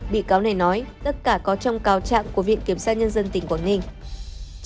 bị cáo này nói tất cả có trong cao trạng của viện kiểm sát nhân dân tỉnh quảng ninh